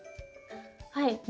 はい。